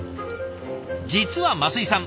実は升井さん